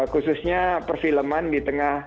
khususnya perfilman di tengah